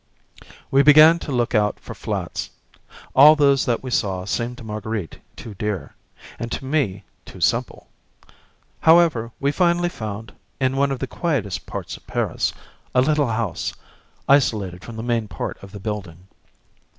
We began to look out for flats. All those that we saw seemed to Marguerite too dear, and to me too simple. However, we finally found, in one of the quietest parts of Paris, a little house, isolated from the main part of the building.